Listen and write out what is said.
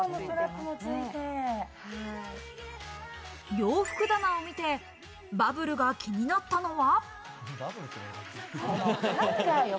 洋服棚を見てバブルが気になったのは。